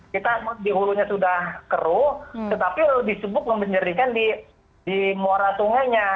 kita di hulunya sudah keruh tetapi lebih sibuk membenjernikan di muara sungainya